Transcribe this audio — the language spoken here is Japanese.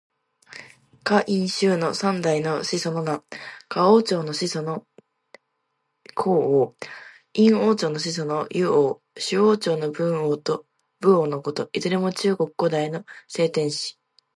夏、殷、周の三代の始祖の名。夏王朝の始祖の禹王。殷王朝の始祖の湯王。周王朝の文王と武王のこと。いずれも中国古代の聖天子。